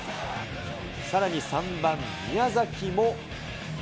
さらに３番宮崎も。